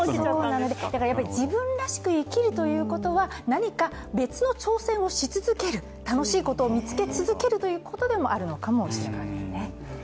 だからやっぱり自分らしく生きるということは何か別の挑戦をし続ける楽しいことを見つけ続けるということでもあるのかもしれませんね。